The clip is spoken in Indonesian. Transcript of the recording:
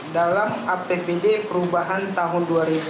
dalam apbd perubahan tahun dua ribu enam belas